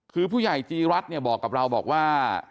คือผู้ใหญ่จีรัฐเนี่ยบอกกับเราบอกว่า